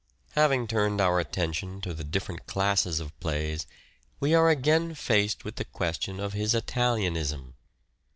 Italian Having turned our attention to the different classes enthusiasm. oj pjays we are again faced with the question of his Italianism.